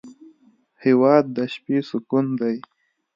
هېواد د شپې سکون دی.